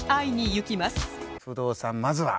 不動さんまずは。